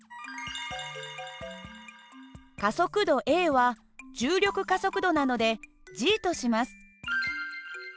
加速度ａは重力加速度なのでとします。